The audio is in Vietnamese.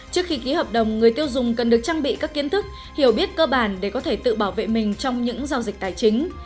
trước khi ký hợp đồng người tiêu dùng cần được trang bị các kiến thức hiểu biết cơ bản để có thể tự bảo vệ mình trong những giao dịch tài chính